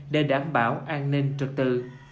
để đảm bảo an ninh trực tư